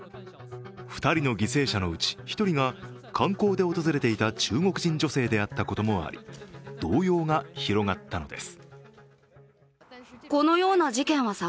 ２人の犠牲者のうち１人が観光で訪れていた中国人女性であったこともあり、動揺が広がったのです。